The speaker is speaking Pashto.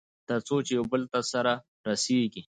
تر څو چې يوبل ته سره رسېږي.